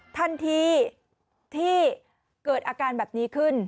ทันทีที่เกิดอาการแบบนี้ขึ้น